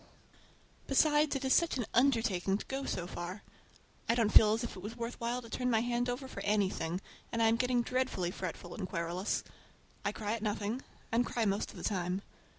Besides, it is such an undertaking to go so far. I don't feel as if it was worth while to turn my hand over for anything, and I'm getting dreadfully fretful and querulous. I cry at nothing, and cry most of the time.